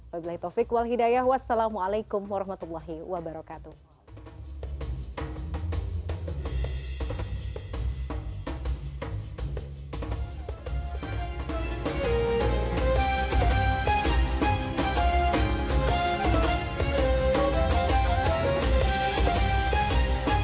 wa bila'i taufiq wal hidayah wassalamualaikum warahmatullahi wabarakatuh